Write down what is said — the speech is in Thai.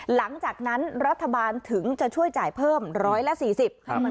หลังจากนั้นรัฐบาลถึงจะช่วยจ่ายเพิ่มร้อยละสี่สิบ